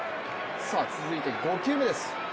続いて５球目です。